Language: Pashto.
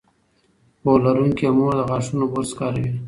پوهه لرونکې مور د غاښونو برش کاروي.